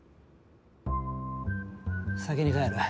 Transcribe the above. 先に帰る。